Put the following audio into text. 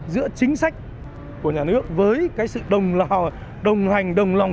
giữa chính sách của nhà nước với cái sự đồng hành đồng lòng